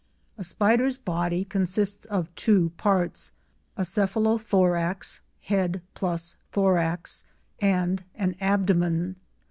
A spider's body consists of two parts, a cephalothorax (head + thorax) and an abdomen.